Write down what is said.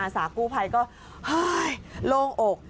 สากูภัยก็โรงอก